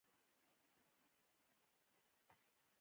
مسؤلیتپذیري د ښه ټولنې نښه ده